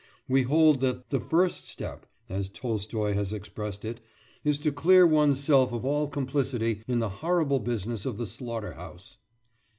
We hold that "the first step," as Tolstoy has expressed it, is to clear one's self of all complicity in the horrible business of the slaughter house.